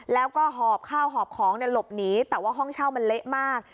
แล้วก็หอบข้าวหอบของหลบหนีแต่ว่าห้องเช่ามันเละมาก